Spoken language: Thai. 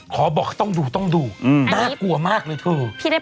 บอกต้องดูต้องดูน่ากลัวมากเลยเถอะ